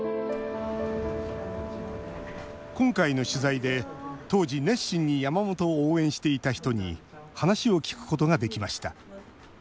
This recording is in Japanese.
今回の取材で当時熱心に山本を応援していた人に話を聞くことができました。